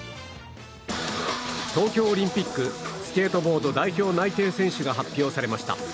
東京オリンピックスケートボード代表内定選手が発表されました。